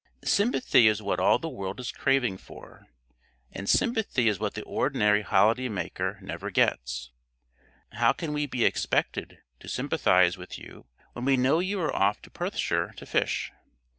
Sympathy is what all the world is craving for, and sympathy is what the ordinary holiday maker never gets. How can we be expected to sympathise with you when we know you are off to Perthshire to fish?